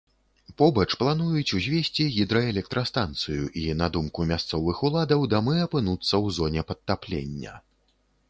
Побач плануюць узвесці гідраэлектрастанцыю, і на думку мясцовых уладаў, дамы апынуцца ў зоне падтаплення.